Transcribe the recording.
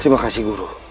terima kasih guru